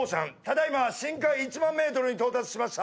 ただ今深海１万ｍに到達しました。